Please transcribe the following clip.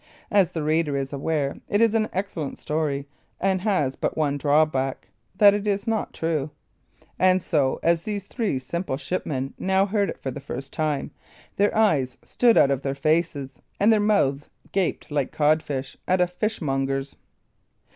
As the reader is aware, it is an excellent story, and has but one drawback that it is not true; and so, as these three simple shipmen now heard it for the first time, their eyes stood out of their faces, and their mouths gaped like codfish at a fishmonger's.